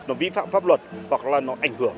nó vi phạm pháp luật hoặc là nó ảnh hưởng